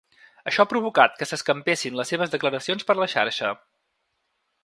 Això ha provocat que s’escampessin les seves declaracions per la xarxa.